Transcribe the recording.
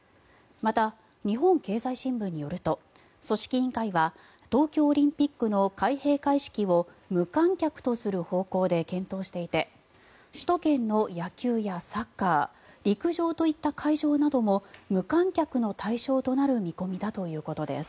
また、日本経済新聞によると組織委員会は東京オリンピックの開閉会式を無観客とする方向で検討していて首都圏の野球やサッカー陸上といった会場なども無観客の対象となる見込みだということです。